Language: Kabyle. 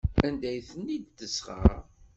Anda ay ten-id-tesɣa?